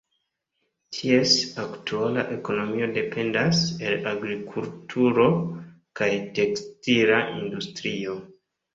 Ties aktuala ekonomio dependas el agrikulturo kaj tekstila industrio.